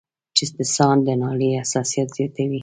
چې د ساه د نالۍ حساسيت زياتوي